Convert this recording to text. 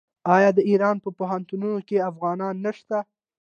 آیا د ایران په پوهنتونونو کې افغانان نشته؟